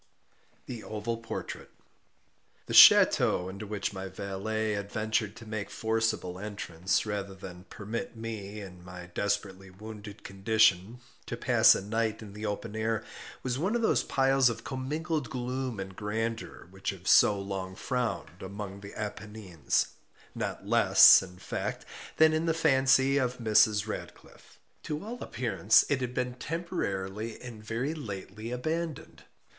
THE OVAL PORTRAIT The ch√¢teau into which my valet had ventured to make forcible entrance, rather than permit me, in my desperately wounded condition, to pass a night in the open air, was one of those piles of commingled gloom and grandeur which have so long frowned among the Appennines, not less in fact than in the fancy of Mrs. Radcliffe. To all appearance it had been temporarily and very lately abandoned.